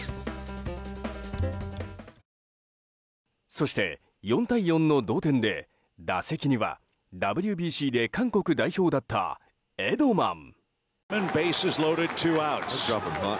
そして４対４の同点で打席にはＷＢＣで韓国代表だったエドマン。